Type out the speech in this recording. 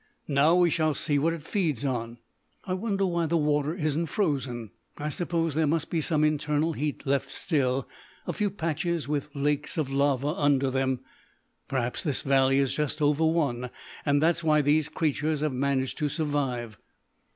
Now we shall see what it feeds on. I wonder why the water isn't frozen. I suppose there must be some internal heat left still. A few patches with lakes of lava under them. Perhaps this valley is just over one, and that's why these creatures have managed to survive.